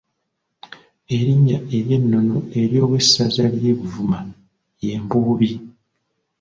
Erinnya ery’ennono ery’owessaza ly’e Buvuma ye Mbuubi.